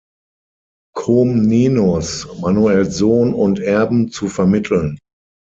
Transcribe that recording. Komnenos, Manuels Sohn und Erben, zu vermitteln.